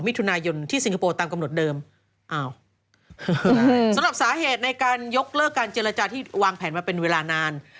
มิถุนายนที่สิงคโปร์ตามกำหนดเดิมอ้าวสำหรับสาเหตุในการยกเลิกการเจรจาที่วางแผนมาเป็นเวลานาน